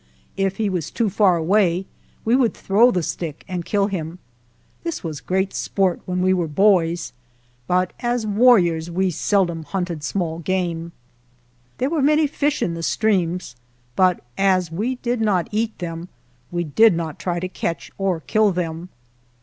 If he was too far away we would throw the stick and kill him. This was great sport when we were boys, but as warriors we seldom hunted small game. There were many fish in the streams, but as we did not eat them, we did not try to catch or kill them.